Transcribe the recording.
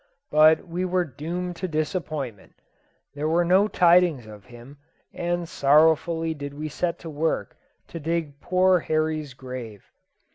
But we were doomed to disappointment; there were no tidings of him, and sorrowfully did we set to work to dig poor Horry's grave.